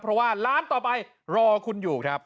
เพราะว่าร้านต่อไปรอคุณอยู่ครับ